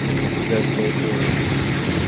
Jazz, সে এখানে রয়েছে।